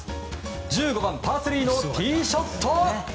１５番、パー３のティーショット。